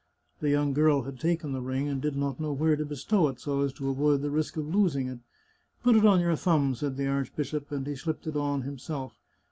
" The young girl had taken the ring and did not know where to bestow it so as to avoid the risk of losing it. " Put it on your thumb," said the archbishop, and he slipped it on himself.